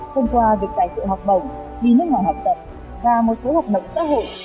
thông qua việc tài trợ học bổng đi nước ngoài học tập và một số hoạt động xã hội